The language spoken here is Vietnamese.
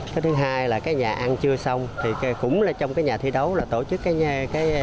cái thứ hai là cái nhà ăn chưa xong thì cũng là trong cái nhà thi đấu là tổ chức cái chỗ ăn cho các em học sinh luôn